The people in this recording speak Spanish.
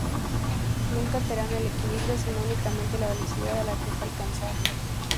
Nunca alteran el equilibrio, sino únicamente la velocidad a la que es alcanzado.